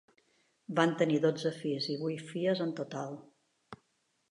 Van tenir dotze fills i vuit filles en total.